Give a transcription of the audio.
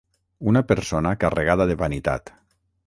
Una persona carregada de vanitat.